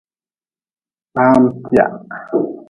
Kpaam-tia.